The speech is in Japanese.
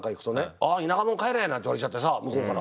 「ああ田舎者帰れ」なんて言われちゃってさ向こうから。